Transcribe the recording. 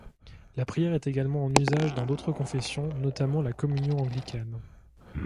La prière est également en usage dans d'autres confessions, notamment la Communion anglicane.